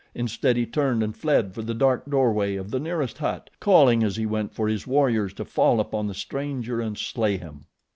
Instead, he turned and fled for the dark doorway of the nearest hut, calling as he went for his warriors to fall upon the stranger and slay him.